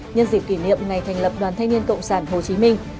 nhân dịp kỷ niệm ngày thành lập đoàn thanh niên cộng sản hồ chí minh